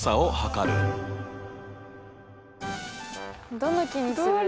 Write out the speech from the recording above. どの木にする？